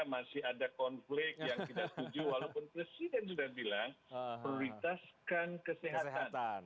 masih ada konflik yang tidak setuju walaupun presiden sudah bilang prioritaskan kesehatan